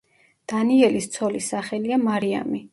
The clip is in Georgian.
დანიელის ცოლის სახელია მარიამი.